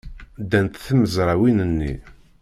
Ddant tmezrawin-nni.